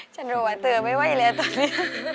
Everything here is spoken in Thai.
ฉันรู้ว่าเธอไม่ว่าริยาตัวนี่